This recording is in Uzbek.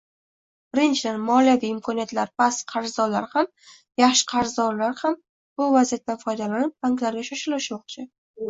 Birinchidan, moliyaviy imkoniyatlari past qarzdorlar ham, yaxshi qarzdorlar ham bu vaziyatdan foydalanib, banklarga shoshilishmoqchi